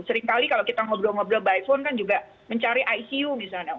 seringkali kalau kita ngobrol ngobrol by phone kan juga mencari icu misalnya